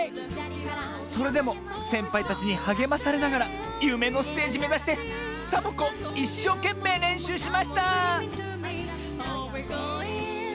それでもせんぱいたちにはげまされながらゆめのステージめざしてサボ子いっしょうけんめいれんしゅうしました！